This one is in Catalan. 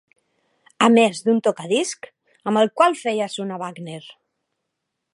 A més d'un tocadiscs amb el qual feia sonar Wagner.